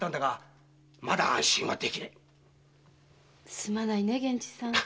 すまないねえ源次さん。